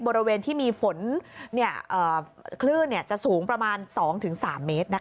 บริเวณที่มีฝนคลื่นจะสูงประมาณ๒๓เมตร